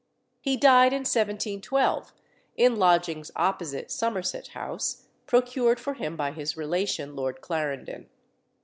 He died in 1712, in lodgings opposite Somerset House, procured for him by his relation, Lord Clarendon.